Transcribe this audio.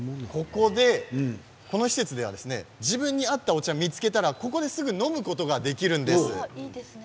この施設では自分に合ったお茶を見つけたらここですぐ飲むことができるんです。